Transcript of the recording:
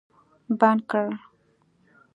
بند کړ